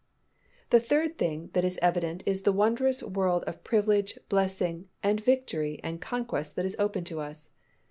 The third thing that is evident is the wondrous world of privilege, blessing and victory and conquest that is open to us.